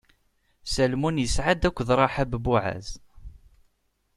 Salmun isɛa-d akked Raḥab Buɛaz.